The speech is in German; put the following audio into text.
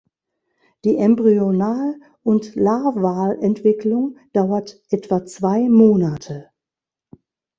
Die Embryonal- und Larvalentwicklung dauert etwa zwei Monate.